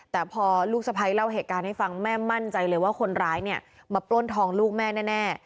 แต่พอลูกสะพ้ายเล่าเหตุการณ์ให้ฟังแม่มั่นใจเลยว่าคนร้ายเนี่ยมาปล้นทองลูกแม่แน่